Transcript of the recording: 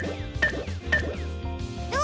どう？